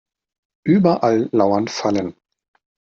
Überall lauern Fallen.